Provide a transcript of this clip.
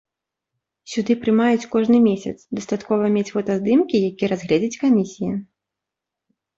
Сюды прымаюць кожны месяц, дастаткова мець фотаздымкі, якія разгледзіць камісія.